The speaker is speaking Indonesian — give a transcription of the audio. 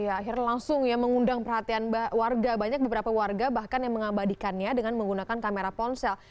akhirnya langsung ya mengundang perhatian warga banyak beberapa warga bahkan yang mengabadikannya dengan menggunakan kamera ponsel